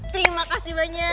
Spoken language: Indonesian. terima kasih banyak